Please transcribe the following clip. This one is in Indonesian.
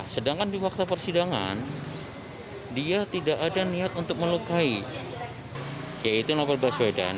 sedangkan di waktu persidangan dia tidak ada niat untuk melukai yaitu novel beras badan